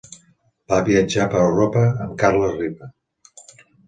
Va viatjar per Europa amb Carles Riba.